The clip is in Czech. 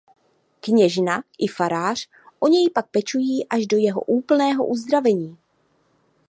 Kněžna i farář o něj pak pečují až do jeho úplného uzdravení.